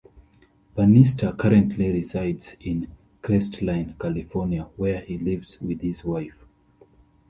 Bannister currently resides in Crestline, California, where he lives with his wife.